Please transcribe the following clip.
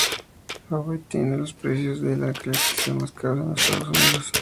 Hawái tiene los precios de la electricidad más caros en los Estados Unidos.